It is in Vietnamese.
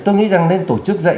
tôi nghĩ rằng nên tổ chức dạy